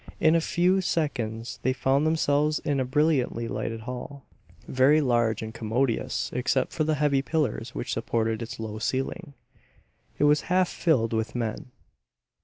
In a few seconds they found themselves in a brilliantly lighted hall, very large and commodious except for the heavy pillars which supported its low ceiling. It was half filled with men.